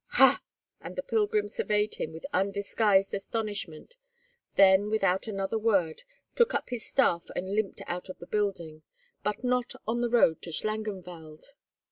"Ha!" and the pilgrim surveyed him with undisguised astonishment; then, without another word, took up his staff and limped out of the building, but not on the road to Schlangenwald.